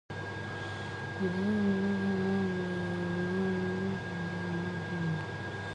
The stories offered science that was more intriguing than accurate.